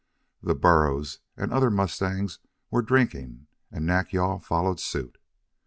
The burros and other mustangs were drinking, and Nack yal followed suit.